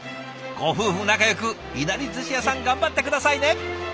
ご夫婦仲よくいなり寿司屋さん頑張って下さいね。